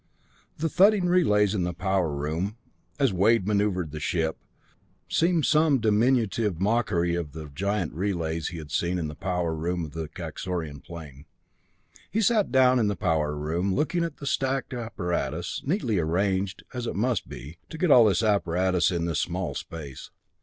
The thudding relays in the power room, as Wade maneuvered the ship, seemed some diminutive mockery of the giant relays he had seen in the power room of the Kaxorian plane. He sat down in the power room, looking at the stacked apparatus, neatly arranged, as it must be, to get all this apparatus in this small space.